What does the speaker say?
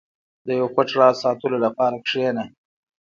• د یو پټ راز ساتلو لپاره کښېنه.